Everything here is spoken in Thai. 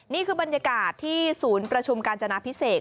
นี่คือบรรยากาศที่ศูนย์ประชุมกาญจนาพิเศษ